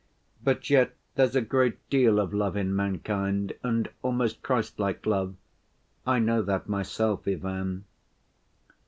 But yet there's a great deal of love in mankind, and almost Christ‐like love. I know that myself, Ivan."